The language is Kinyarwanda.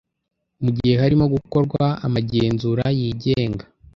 mu gihe harimo gukorwa amagenzura yigenga